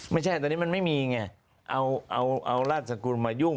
ไม่ใช่ตอนนี้มันไม่มีไงเอาราชสกุลมายุ่ง